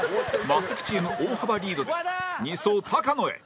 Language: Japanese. マセキチーム大幅リードで２走高野へ